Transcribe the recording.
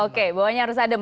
oke bawahnya harus adem